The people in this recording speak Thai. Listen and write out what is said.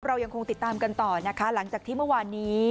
เรายังคงติดตามกันต่อนะคะหลังจากที่เมื่อวานนี้